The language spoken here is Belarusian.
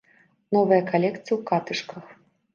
Новая калекцыя ў катышках!